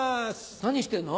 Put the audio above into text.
何してんの？